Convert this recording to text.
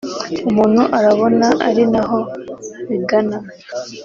umuntu arabona ari naho bigana